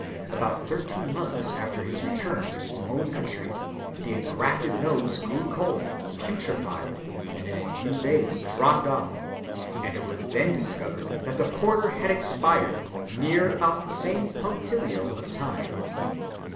About thirteen months after his return to his own country, the engrafted nose grew cold, putrefied, and in a few days dropped off, and it was then discovered that the porter had expired, near about the same punctilio of time.